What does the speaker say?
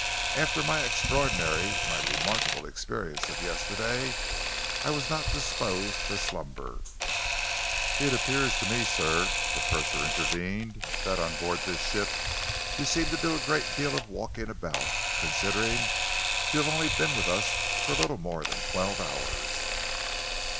After my extraordinary, my remarkable experience of yesterday, I was not disposed for slumber." "It appears to me, sir," the purser intervened, "that on board this ship you seem to do a great deal of walking about, considering you have only been with us for a little more than twelve hours."